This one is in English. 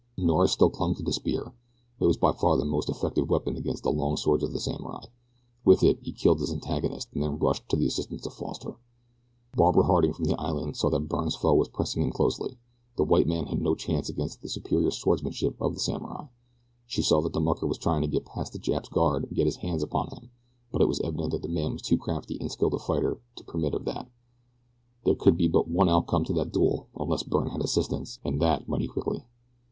Norris still clung to the spear it was by far the most effective weapon against the long swords of the samurai. With it he killed his antagonist and then rushed to the assistance of Foster. Barbara Harding from the island saw that Byrne's foe was pressing him closely. The white man had no chance against the superior swordsmanship of the samurai. She saw that the mucker was trying to get past the Jap's guard and get his hands upon him, but it was evident that the man was too crafty and skilled a fighter to permit of that. There could be but one outcome to that duel unless Byrne had assistance, and that mighty quickly.